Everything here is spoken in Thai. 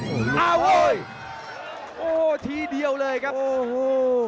โอ้โหโอ้ทีเดียวเลยครับโอ้โห